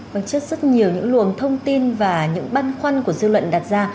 quán chất rất nhiều những luồng thông tin và những băn khoăn của dư luận đặt ra